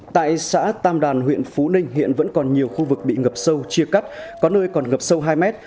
tại xã tam đàn huyện phú ninh hiện vẫn còn nhiều khu vực bị ngập sâu chia cắt có nơi còn ngập sâu hai mét